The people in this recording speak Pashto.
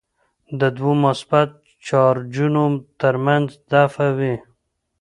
د دوو مثبت چارجونو ترمنځ دفعه وي.